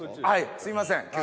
はいすいません